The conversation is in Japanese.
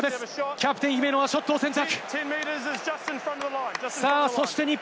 キャプテン・姫野はショットを選択。